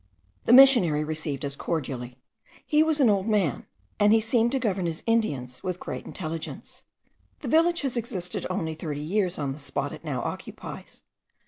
The missionary received us cordially; he was an old man, and he seemed to govern his Indians with great intelligence. The village has existed only thirty years on the spot it now occupies.